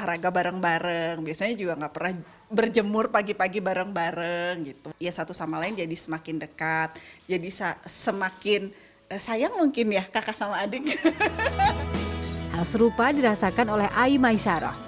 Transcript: hal serupa dirasakan oleh ayi maisaroh